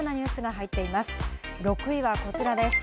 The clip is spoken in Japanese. そして６位はこちらです。